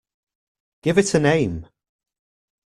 Give it a name.